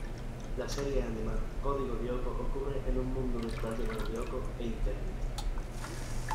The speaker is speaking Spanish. La serie animada "Código Lyoko" ocurre en un mundo virtual llamado Lyoko e Internet.